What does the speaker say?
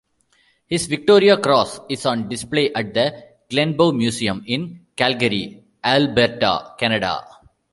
His Victoria Cross is on display at the Glenbow Museum in Calgary, Alberta, Canada.